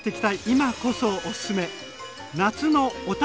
今こそおすすめ！